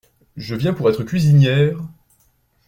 Je viens pour être cuisinière…